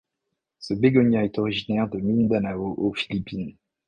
Ce bégonia est originaire de Mindanao aux Philippines.